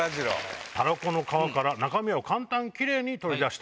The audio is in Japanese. タラコの皮から中身を簡単キレイに取り出したい。